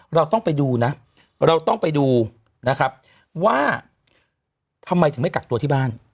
เราต้องไปดูนะเราต้องไปดูนะครับว่าทำไมถึงไม่กักตัวที่บ้าน